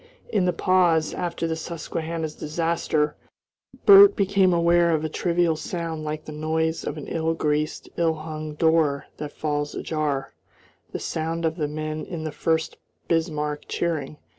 In the pause, after the Susquehanna's disaster Bert became aware of a trivial sound like the noise of an ill greased, ill hung door that falls ajar the sound of the men in the Furst Bismarck cheering.